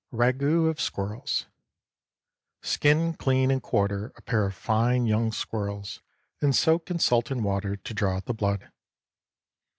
RAGOÛT OF SQUIRRELS. Skin, clean, and quarter a pair of fine young squirrels, and soak in salt and water to draw out the blood.